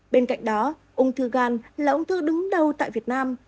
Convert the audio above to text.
bên cạnh đó ung thư gan là ung thư đứng đầu tại việt nam